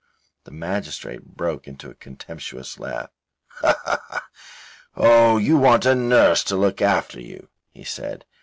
The magistrate broke into a contemptuous laugh. "Oh, you want a nurse to look after you," he said.